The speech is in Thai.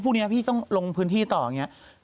พรุ่งนี้พี่ต้องลงพื้นที่ต่ออย่างนี้